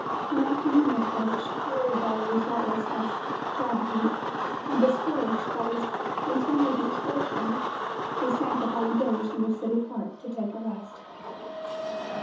When afternoon approached, wearied by the resultless job hunt and discouraged by his continued misfortune, he sank upon a bench in a city park to take a rest.